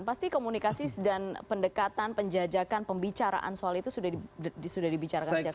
pasti komunikasi dan pendekatan penjajakan pembicaraan soal itu sudah dibicarakan sejak awal